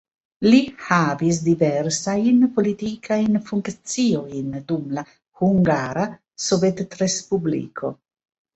Li havis diversajn politikajn funkciojn dum la Hungara Sovetrespubliko.